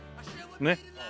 ねっ。